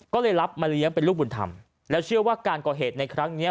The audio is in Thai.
ก็เลยรับมาเลี้ยงเป็นลูกบุญธรรมแล้วเชื่อว่าการก่อเหตุในครั้งนี้